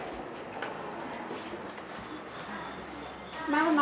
ママ！